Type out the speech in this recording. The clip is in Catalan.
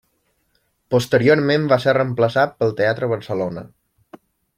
Posteriorment va ser reemplaçat pel Teatre Barcelona.